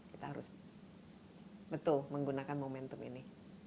kita harus betul menggunakan momentum ini